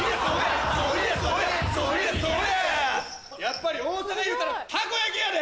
やっぱり大阪いうたらたこ焼きやで！